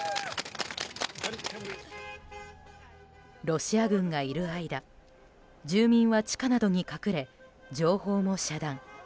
ロシア軍がいる間住民は地下などに隠れ情報も遮断。